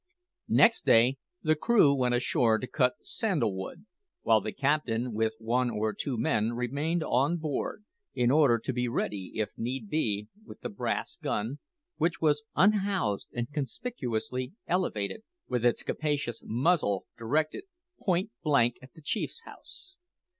Next day the crew went ashore to cut sandal wood, while the captain, with one or two men, remained on board, in order to be ready, if need be, with the brass gun, which was unhoused and conspicuously elevated, with its capacious muzzle directed point blank at the chief's house.